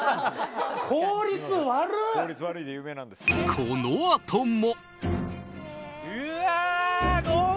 このあとも。